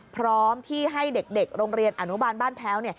พร้อมที่ให้เด็กโรงเรียนอนุบาลบ้านแพ้ว